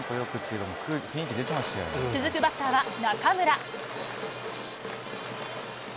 続くバッターは、中村。